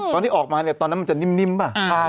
ตอนที่ออกมาตอนนั้นมันจะนิ่มเปล่า